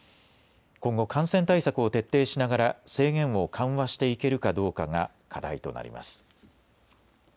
今後、感染対策を徹底しながら制限を緩和していけるかどうかが課題となります。